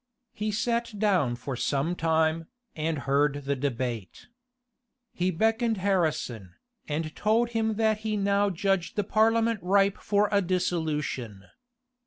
He sat down for some time, and heard the debate. He beckoned Harrison, and told him that he now judged the parliament ripe for a dissolution.